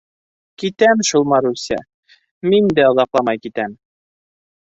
— Китәм шул, Маруся, мин дә оҙаҡламай китәм.